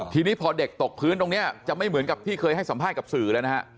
ทีนี้พอเด็กตกพื้นตรงนี้จะไม่เหมือนกับที่เคยให้สัมภาษณ์กับสื่อแล้วนะฮะ